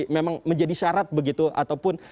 memang menjadi syarat begitu ataupun